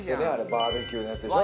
バーベキューのやつでしょ。